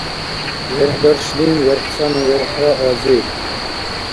верхӀдаршлим верхӀцӀанну верхӀра азир